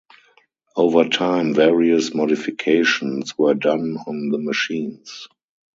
Over time various modifications were done on the machines.